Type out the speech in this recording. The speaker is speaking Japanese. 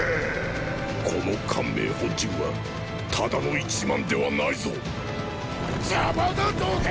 この汗明本陣はただの一万ではないぞ邪魔だどけィ！